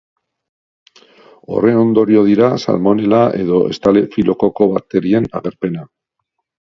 Horren ondorio dira salmonela edo estafilokoko bakterien agerpena.